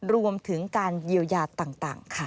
รวมถึงการเยียวยาต่างค่ะ